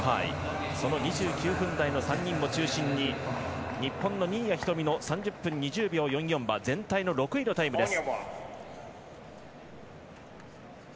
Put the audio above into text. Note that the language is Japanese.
その２９分台の３人を中心に日本の新谷仁美の３０分２０秒４４は全体の６位のタイムです。